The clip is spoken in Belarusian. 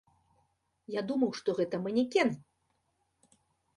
Я думаў, што гэта манекен.